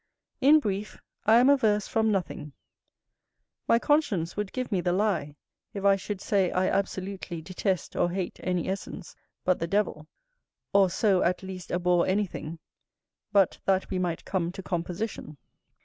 In brief I am averse from nothing: my conscience would give me the lie if I should say I absolutely detest or hate any essence, but the devil; or so at least abhor anything, but that we might come to composition.